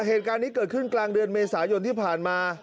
เหตุการณ์นี้เกิดขึ้นกลางเดือนเมษายนที่ผ่านมา